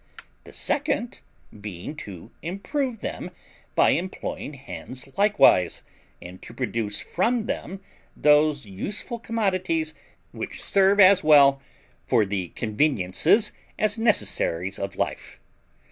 The second being to improve them by employing hands likewise, and to produce from them those useful commodities which serve as well for the conveniences as necessaries of life.